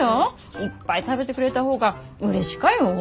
いっぱい食べてくれた方がうれしかよ。